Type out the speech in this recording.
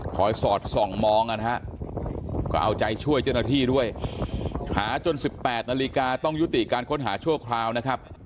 สอดส่องมองนะฮะก็เอาใจช่วยเจ้าหน้าที่ด้วยหาจน๑๘นาฬิกาต้องยุติการค้นหาชั่วคราวนะครับ